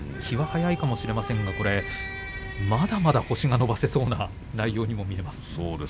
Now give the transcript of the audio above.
気は早いかもしれませんがまだまだ星が伸ばせそうな内容にも見えます。